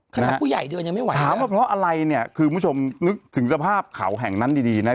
ขนาดผู้ใหญ่เดินยังไม่ไหวถามว่าเพราะอะไรเนี่ยคือคุณผู้ชมนึกถึงสภาพเขาแห่งนั้นดีดีนะ